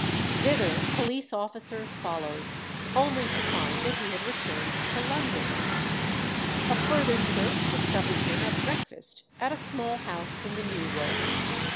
Thither police officers followed, only to find that he had returned to London. A further search discovered him at breakfast at a small house in the New Road.